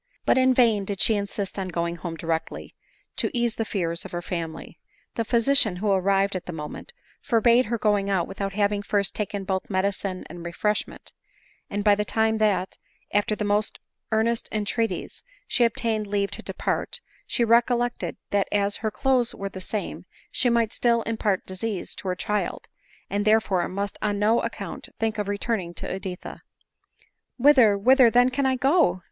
But in vain did she insist on going home directly, to ease the fears of her family. The physician, who arrived at the moment, forbade her going out without having first taken both medicine and refreshment ; and by the time that, after the most earnest entreaties, she obtained leave to depart, she recollected, that as her clothes were the same, she might still impart disease to her child, and therefore must on no account think of returning to Edi tha. " Whither, whither then can I go?"